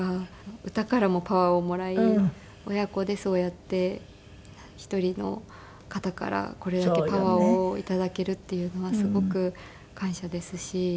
歌からもパワーをもらい親子でそうやって１人の方からこれだけパワーを頂けるっていうのはすごく感謝ですし。